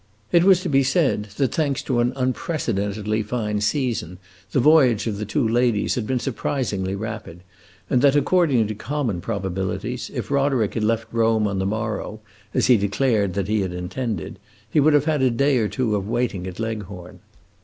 It was to be said that, thanks to an unprecedentedly fine season, the voyage of the two ladies had been surprisingly rapid, and that, according to common probabilities, if Roderick had left Rome on the morrow (as he declared that he had intended), he would have had a day or two of waiting at Leghorn.